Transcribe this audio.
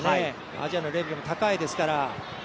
アジアのレベルも高いですから。